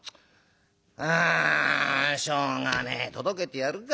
あしょうがねえ届けてやるか。